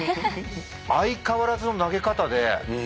相変わらずの投げ方で。